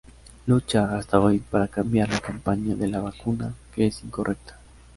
Lucha hasta hoy para cambiar la campaña de la vacuna que es incorrecta.